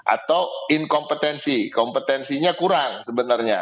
atau inkompetensi kompetensinya kurang sebenarnya